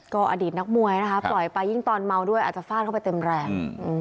ก็อดีตนักมวยนะคะปล่อยไปยิ่งตอนเมาด้วยอาจจะฟาดเข้าไปเต็มแรง